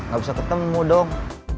gak bisa ketemu dong